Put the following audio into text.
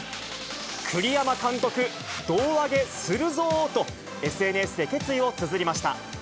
栗山監督、胴上げするぞーとＳＮＳで決意をつづりました。